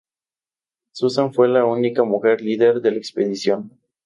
Susan fue la única mujer líder de la expedición.